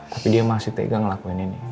tapi dia masih tega ngelakuin ini